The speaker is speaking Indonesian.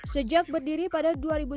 sejak berdiri pada dua ribu sembilan belas